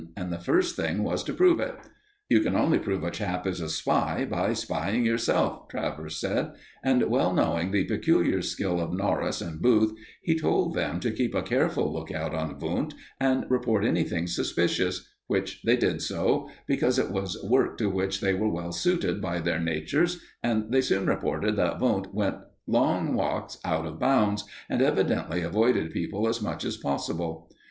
And the first thing was to prove it. "You can only prove a chap is a spy by spying yourself," Travers said, and well knowing the peculiar skill of Norris and Booth, he told them to keep a careful lookout on Wundt and report anything suspicious; which they did do, because it was work to which they were well suited by their natures, and they soon reported that Wundt went long walks out of bounds, and evidently avoided people as much as possible.